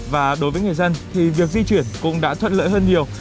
và đối với người dân thì việc di chuyển cũng đã thuận lợi hơn nhiều